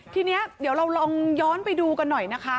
ทีนี้เดี๋ยวเราลองย้อนไปดูกันหน่อยนะคะ